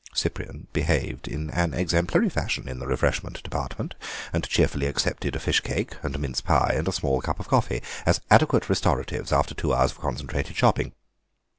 Cyprian behaved in an exemplary fashion in the refreshment department, and cheerfully accepted a fish cake and a mince pie and a small cup of coffee as adequate restoratives after two hours of concentrated shopping.